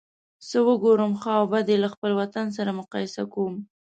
څه وګورم ښه او بد یې له خپل وطن سره مقایسه کوم.